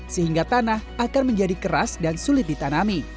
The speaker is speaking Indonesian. sehingga tanah akan menjadi keras dan sulit ditanami